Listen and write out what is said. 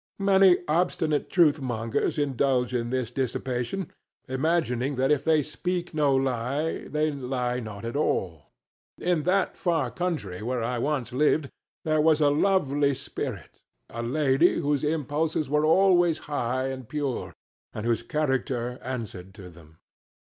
Many obstinate truth mongers indulge in this dissipation, imagining that if they speak no lie, they lie not at all. In that far country where I once lived, there was a lovely spirit, a lady whose impulses were always high and pure, and whose character answered to them.